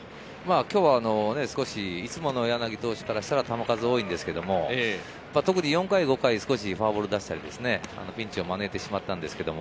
今日は少し、いつもの柳投手からしたら球数多いんですけど、特に４回、５回、少しフォアボール出したり、ピンチを招いてしまったんですけど。